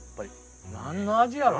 何の味やろう。